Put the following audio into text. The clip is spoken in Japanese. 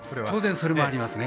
それもありますね。